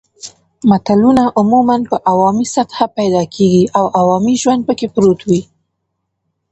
متلونه عموماً په عوامي سطحه پیدا کیږي او عوامي ژوند پکې پروت وي